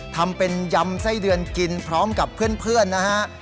ทำเป็นยำไส้เดือนกินพร้อมกับเพื่อนนะฮะ